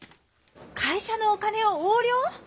会社のお金を横領⁉